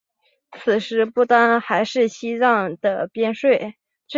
此时不丹还是西藏的边陲。